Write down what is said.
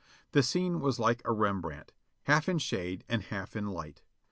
The scene was like a Rembrandt, half in shade and half in light.